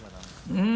うん！